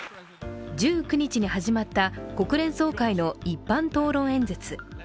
１９日に始まった国連総会の一般討論演説。